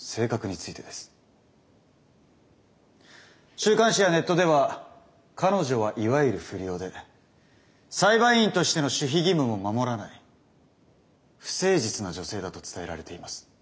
週刊誌やネットでは彼女はいわゆる不良で裁判員としての守秘義務も守らない不誠実な女性だと伝えられています。